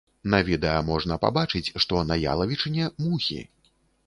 На відэа можна пабачыць, што на ялавічыне мухі.